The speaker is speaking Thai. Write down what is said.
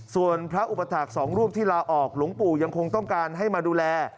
ส่วนพระอุปถาคสองรูปที่ลาออกหลวงปู่ยังคงต้องการให้มาดูแล